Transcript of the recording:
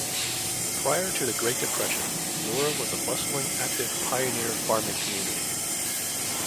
Prior to the Great Depression, Laura was a bustling active pioneer farming community.